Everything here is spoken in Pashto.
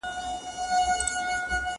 ما پخوا لا ستا تر مخه باندي ایښي دي لاسونه٫